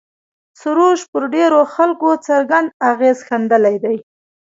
سروش پر ډېرو خلکو څرګند اغېز ښندلی دی.